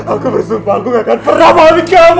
aku bersumpah aku gak akan pernah mahu kehilangan kamu